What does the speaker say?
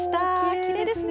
きれいですね。